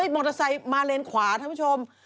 มอเตอร์ไซค์มาเลนขวาท่านผู้ชม